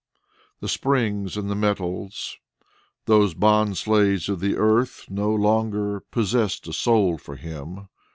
The springs and the metals, these bondslaves of the earth, no longer possessed a soul for him.